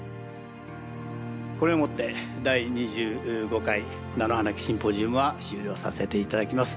これをもって第２５回菜の花忌シンポジウムは終了させて頂きます。